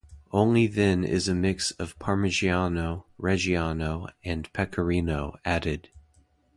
Only then is a mix of Parmigiano-Reggiano and Pecorino added.